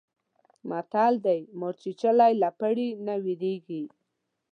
متل دی: مار چیچلی له پړي نه وېرېږي.